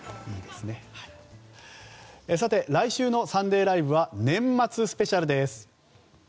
来週の「サンデーＬＩＶＥ！！」は年末スペシャルです。